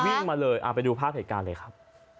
วิ่งมาเลยเอาไปดูภาพเหตุการณ์เลยครับ